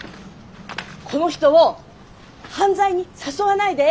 この人を犯罪に誘わないで。